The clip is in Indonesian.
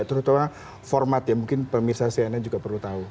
terutama format ya mungkin pemirsa cnn juga perlu tahu